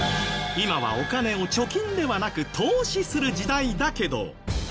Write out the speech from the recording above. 今はお金を貯金ではなく投資する時代だけど。